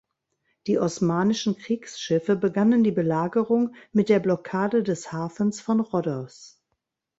Die osmanischen Kriegsschiffe begannen die Belagerung mit der Blockade des Hafens von Rhodos.